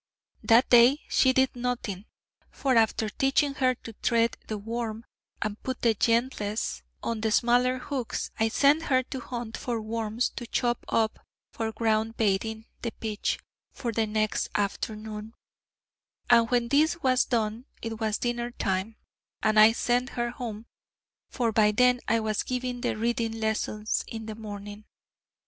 That day she did nothing, for after teaching her to thread the worm, and put the gentles on the smaller hooks, I sent her to hunt for worms to chop up for ground baiting the pitch for the next afternoon; and when this was done it was dinner time, and I sent her home, for by then I was giving the reading lessons in the morning.